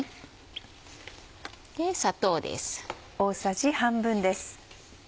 砂糖です。